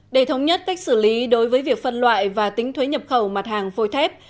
để thống nhất cách xử lý đối với việc phân loại và tính thuế nhập khẩu mặt hàng phôi thép